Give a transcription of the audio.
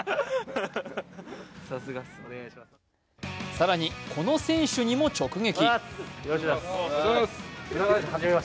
更に、この選手にも直撃！